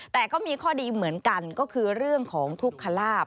แต่ก็มีข้อดีเหมือนกันก็คือเรื่องของทุกขลาบ